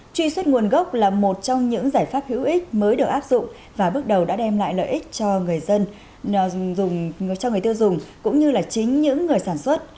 truy xuất nguồn gốc là một trong những giải pháp hữu ích mới được áp dụng và bước đầu đã đem lại lợi ích cho người dân dùng cho người tiêu dùng cũng như là chính những người sản xuất